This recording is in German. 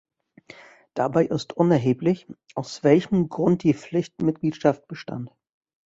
Dabei ist unerheblich, aus welchem Grund die Pflichtmitgliedschaft bestand.